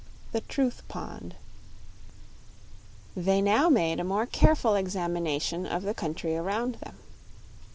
13. The Truth Pond They now made a more careful examination of the country around them.